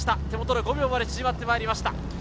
手元で５秒まで縮まってきました。